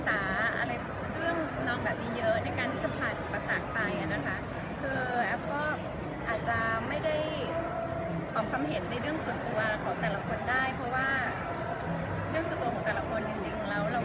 แอฟมีจุดใหม่สุดขันเพื่อทำรู้ประชาญสุดขันแล้วก็รับผ่านไปได้